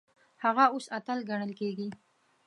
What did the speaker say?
هغه اوس اتل ګڼل کیږي.